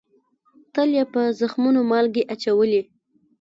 تل یې په زخمونو مالگې اچولې